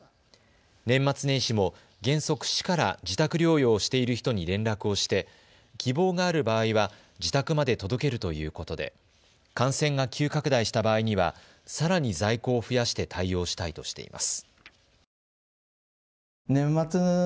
年末年始も原則、市から自宅療養している人に連絡をして希望がある場合は自宅まで届けるということで感染が急拡大した場合にはさらに在庫を増やして対応したいとしています。